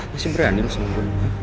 masih berani lo sama gue ya